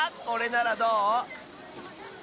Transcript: これならどう？